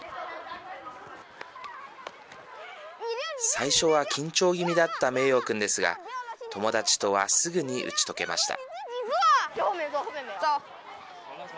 最初は緊張気味だった名洋くんですが友達とはすぐに打ち解けました。